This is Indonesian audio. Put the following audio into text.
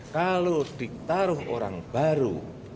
kalau ditaruh orang baru